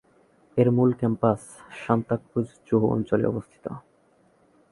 এর মূল ক্যাম্পাস সান্তাক্রুজ-জুহু অঞ্চলে অবস্থিত।